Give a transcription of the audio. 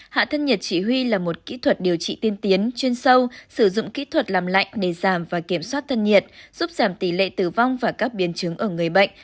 hạ thân nhiệt chỉ huy là một kỹ thuật điều trị tiên tiến chuyên sâu sử dụng kỹ thuật làm lạnh để giảm và kiểm soát thân nhiệt giúp giảm tỷ lệ tử vong và các biến chứng ở người bệnh